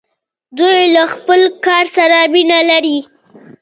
دوی له خپل کار سره مینه لري.